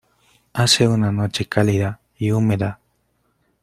Hace una noche cálida y húmeda.